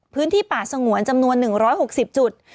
พื้นที่ป่าสงวนจำนวน๑๖๐จุด